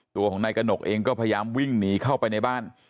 ตัวของนายกระหนกเองก็พยายามวิ่งหนีเข้าไปในบ้าน